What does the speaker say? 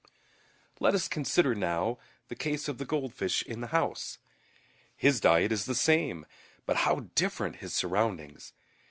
Let us consider now the case of the goldfish in the house. His diet is the same, but how different his surroundings!